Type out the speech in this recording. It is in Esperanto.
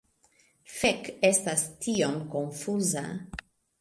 Fek, estas tiom konfuza…